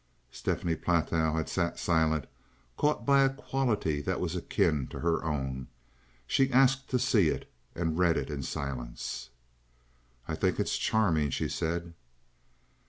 Stephanie Platow had sat silent, caught by a quality that was akin to her own. She asked to see it, and read it in silence. "I think it's charming," she said.